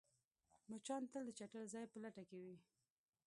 مچان تل د چټل ځای په لټه کې وي